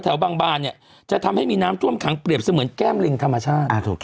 บางบานเนี่ยจะทำให้มีน้ำท่วมขังเปรียบเสมือนแก้มลิงธรรมชาติ